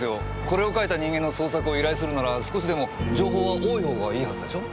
これを描いた人間の捜索を依頼するなら少しでも情報は多い方がいいはずでしょ？